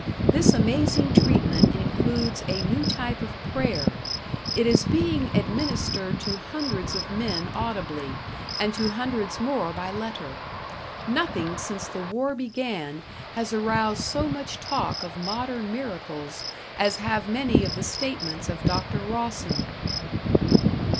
This amazing treatment includes a new type of prayer. It is being administered to hundreds of men audibly, and to hundreds more by letter. Nothing since the war began has aroused so much talk of modern miracles as have many of the statements of Dr. Rawson....